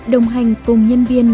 đồng hành cùng nhân viên